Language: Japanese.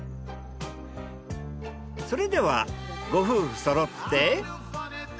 それではご夫婦そろって。